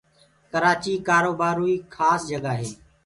ڪرآچيٚ ڪآروبآروئيٚ کآس جگآ هي